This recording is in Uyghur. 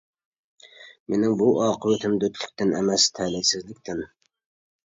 مېنىڭ بۇ ئاقىۋىتىم دۆتلۈكتىن ئەمەس، تەلەيسىزلىكتىن.